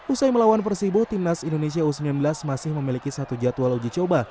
usai melawan persibo timnas indonesia u sembilan belas masih memiliki satu jadwal uji coba